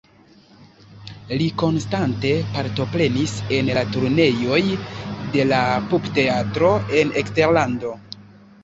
Li konstante partoprenis en turneoj de la Pupteatro en eksterlando.